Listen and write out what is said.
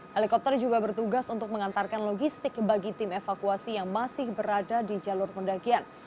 helikopter juga bertugas untuk mengantarkan logistik bagi tim evakuasi yang masih berada di jalur pendakian